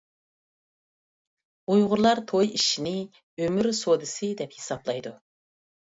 ئۇيغۇرلار توي ئىشىنى «ئۆمۈر سودىسى» دەپ ھېسابلايدۇ.